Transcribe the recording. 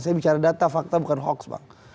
saya bicara data fakta bukan hoax bang